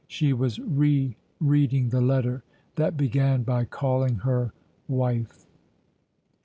She was re reading the letter that began by calling her wife.